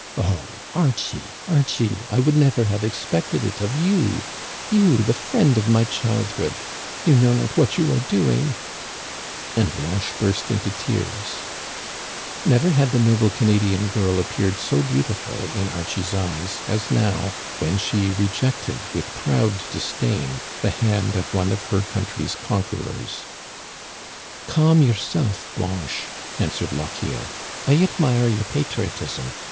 O Archie ! Archie ! I would never have expected it of you, you the friend of my childhood ! You know not what you are doing !" And Blanche burst into tears. Never had the noble Canadian girl appeared so beau tiful in Archie's eyes as now, when she rejected with proud disdain the hand of one of her country's con querors. Digitized by VjOOQIC 246 THE CANADIANS OF OLD. Calm yourself, Blanche," answered LochieL *'I admire your patriotism.